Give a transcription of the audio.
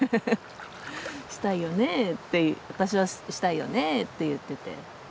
「したいよねえ」って私は「したいよねえ」って言ってて。